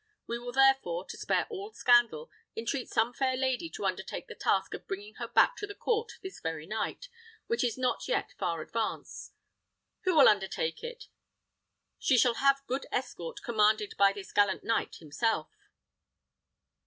We will therefore, to spare all scandal, entreat some fair lady to undertake the task of bringing her back to the court this very night, which is not yet far advanced. Who will undertake it? She shall have good escort, commanded by this gallant knight himself."